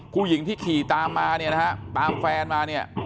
ผู้หญิงที่ขี่ตามมาเนี่ยนะฮะตามแฟนมาเนี่ย